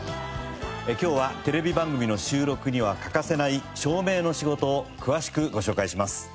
今日はテレビ番組の収録には欠かせない照明の仕事を詳しくご紹介します。